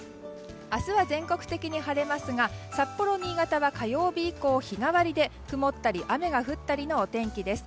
明日は全国的に晴れますが札幌、新潟は火曜日以降日替わりで曇ったり雨が降ったりのお天気です。